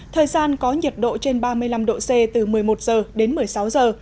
thời gian có nhiệt độ trên ba mươi năm độ c từ một mươi một giờ đến một mươi sáu giờ